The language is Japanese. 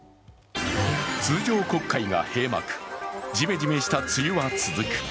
通常国会が閉幕、じめじめした梅雨は続く。